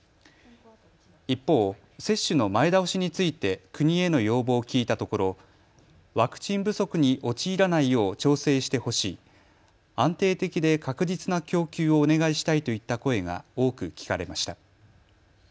一方、接種の前倒しについて国への要望を聞いたところワクチン不足に陥らないよう調整してほしい、安定的で確実な供給をお願いしたいといった声が多く聞かれました。